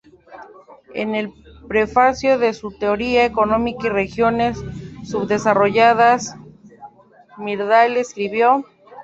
En el prefacio de su "Teoría económica y regiones subdesarrolladas", Myrdal escribió.